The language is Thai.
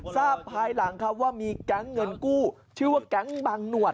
ทราบหลังว่ามีเกงเงินกู้ชื่อว่าเกงบางหนวด